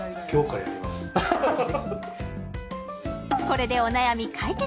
ぜひこれでお悩み解決